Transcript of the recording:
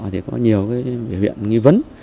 thì có nhiều cái biểu hiện nghi vấn